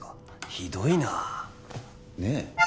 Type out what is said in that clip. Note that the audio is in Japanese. ひどいなあねえ？